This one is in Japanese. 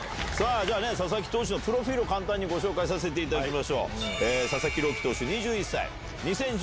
じゃあ佐々木投手のプロフィルを簡単にご紹介させていただきます。